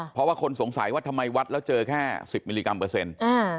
เพราะว่าคนสงสัยว่าทำไมวัดแล้วเจอแค่สิบมิลลิกรัมเปอร์เซ็นต์